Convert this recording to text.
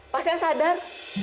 pasti yang sadar